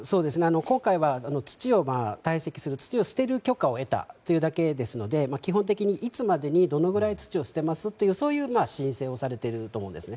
今回は土を堆積する土を捨てる許可を得ただけですので基本的にいつまでにどのくらい土を捨てますという申請をされていると思うんですね。